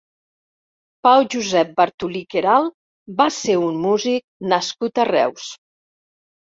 Pau Josep Bartulí Queralt va ser un músic nascut a Reus.